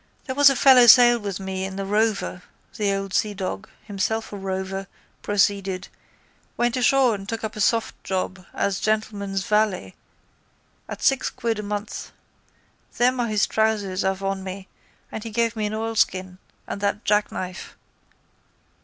—There was a fellow sailed with me in the Rover, the old seadog, himself a rover, proceeded, went ashore and took up a soft job as gentleman's valet at six quid a month. Them are his trousers I've on me and he gave me an oilskin and that jackknife.